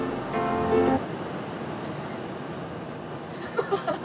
ハハハハ。